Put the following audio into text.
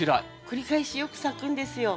繰り返しよく咲くんですよ。